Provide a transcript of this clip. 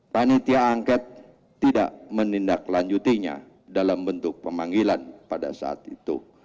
panitia angket tidak menindaklanjutinya dalam bentuk pemanggilan pada saat itu